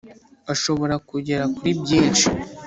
ashobora kugera kuri byinshi